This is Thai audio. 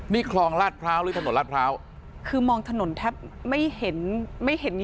นี่คลองระดพร้าวหรือถนนระดพร้าวคือมองถนนแทบไม่เห็น